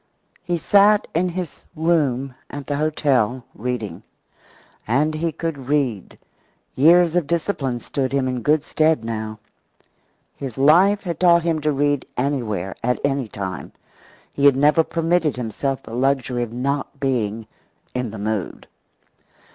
He sat in his room at the hotel, reading. And he could read. Years of discipline stood him in good stead now. His life had taught him to read anywhere, at any time. He had never permitted himself the luxury of not being "in the mood."